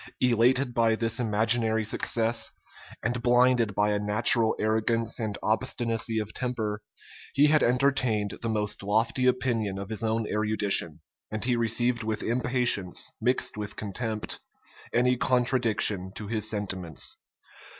Elated by this imaginary success, and blinded by a natural arrogance and obstinacy of temper, he had entertained the most lofty opinion of his own erudition; and he received with impatience, mixed with contempt, any contradiction to his sentiments.